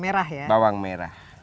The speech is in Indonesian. merah bawang merah